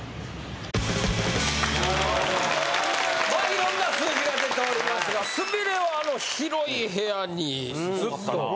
色んな数字が出ておりますがすみれはあの広い部屋にずっと。